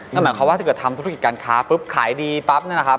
ก็หมายความว่าถ้าเกิดทำธุรกิจการค้าขายดีปั๊บ